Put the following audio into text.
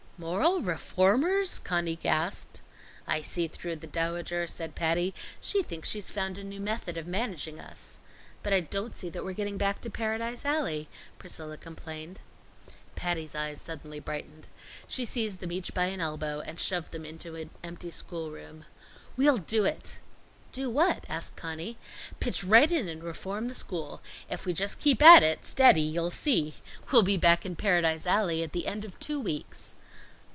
"Moral reformers!" Conny gasped. "I see through the Dowager," said Patty, "She thinks she's found a new method of managing us." "But I don't see that we're getting back to Paradise Alley," Priscilla complained. Patty's eyes suddenly brightened. She seized them each by an elbow and shoved them into the empty schoolroom. "We'll do it!" "Do what?" asked Conny. "Pitch right in and reform the school. If we just keep at it steady you'll see! We'll be back in Paradise Alley at the end of two weeks."